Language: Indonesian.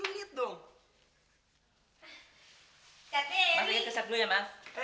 mas lihat keset dulu ya ma